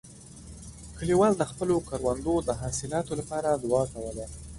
کلیوال د خپلو کروندو د حاصلاتو لپاره دعا کوله.